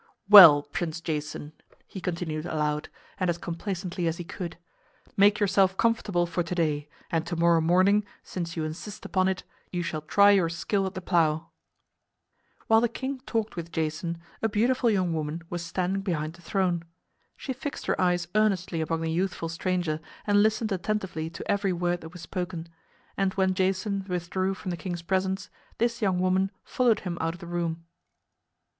Well, Prince Jason," he continued aloud, and as complacently as he could, "make yourself comfortable for today, and tomorrow morning, since you insist upon it, you shall try your skill at the plow." While the king talked with Jason a beautiful young woman was standing behind the throne. She fixed her eyes earnestly upon the youthful stranger and listened attentively to every word that was spoken, and when Jason withdrew from the king's presence this young woman followed him out of the room.